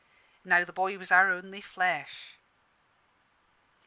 Now the boy was our only flesh.